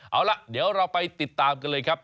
เอาล่ะเดี๋ยวเราไปติดตามกันเลยครับ